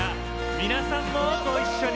皆さんもご一緒に。